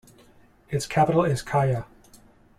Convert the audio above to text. Its capital is Kaya.